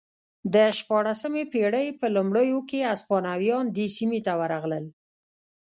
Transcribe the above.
د شپاړسمې پېړۍ په لومړیو کې هسپانویان دې سیمې ته ورغلل